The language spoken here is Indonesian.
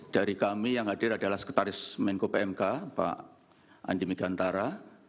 dari kami yang hadir adalah sekretaris menko pmk pak andi megantara